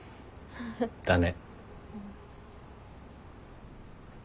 だね。